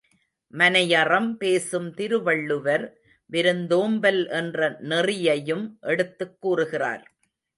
மனையறம் பேசும் திருவள்ளுவர் விருந்தோம்பல் என்ற நெறியையும் எடுத்துக் கூறுகிறார்.